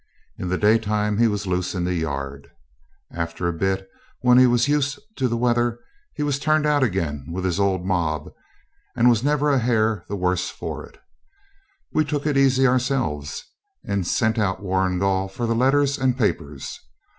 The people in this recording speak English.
In the daytime he was loose in the yard. After a bit, when he was used to the weather, he was turned out again with his old mob, and was never a hair the worse of it. We took it easy ourselves, and sent out Warrigal for the letters and papers.